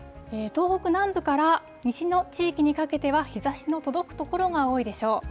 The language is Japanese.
東北南部から西の地域にかけては、日ざしの届く所が多いでしょう。